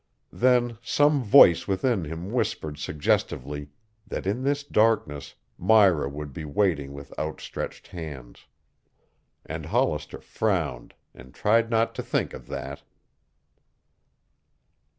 Then some voice within him whispered suggestively that in this darkness Myra would be waiting with outstretched hands, and Hollister frowned and tried not to think of that.